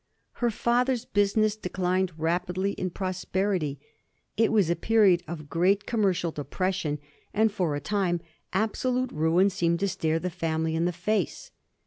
Her father's business declined rapidly in prosperity; it was a period of great commercial depression, and for a time absolute ruin seemed to stare the family in the face.